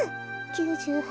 ９８。